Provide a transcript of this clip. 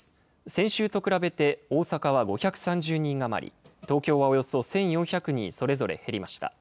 先週と比べて大阪は５３０人余り、東京はおよそ１４００人、それぞれ減りました。